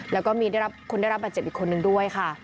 แล้วก็มีได้รับคนได้รับบาดเจ็บอีกคนนึงด้วยค่ะ